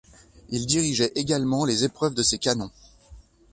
Il dirigeait également les épreuves de ces canons.